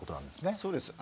そうです。